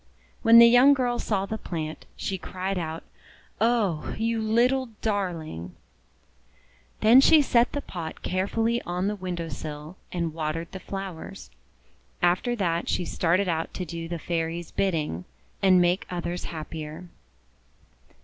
When the young girl saw the plant, she cried out: — "Oh, you little darling!" THE MIGNONETTE FAIRY 27 Then she set the pot carefully on the window sill, and watered the flowers. After that she started out to do the Fairy's bidding, and make others happier.